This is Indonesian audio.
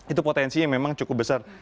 itu potensinya memang cukup besar